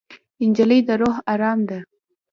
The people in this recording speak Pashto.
نجلۍ د روح ارام ده.